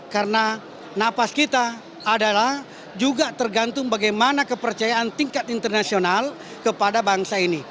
karena nafas kita adalah juga tergantung bagaimana kepercayaan tingkat internasional kepada bangsa ini